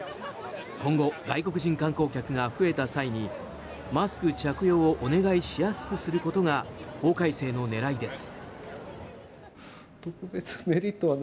今後、外国人観光客が増えた際にマスク着用をお願いしやすくすることが法改正の狙いです。